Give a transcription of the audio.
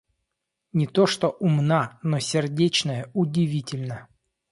Не то что умна, но сердечная удивительно.